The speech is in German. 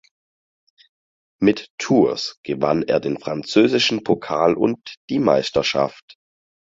Mit Tours gewann er den französischen Pokal und die Meisterschaft.